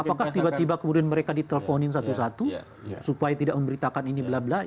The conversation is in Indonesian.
apakah tiba tiba kemudian mereka diteleponin satu satu supaya tidak memberitakan ini bla bla